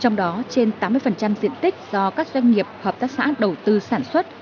trong đó trên tám mươi diện tích do các doanh nghiệp hợp tác xã đầu tư sản xuất